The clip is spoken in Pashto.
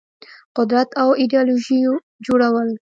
قدرت او ایدیالوژيو جوړول